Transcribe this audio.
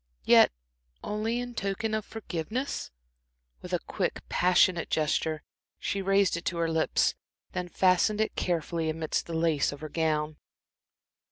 "Yet only in token of forgiveness?" With a quick, passionate gesture, she raised it to her lips, then fastened it carefully amidst the lace of her gown.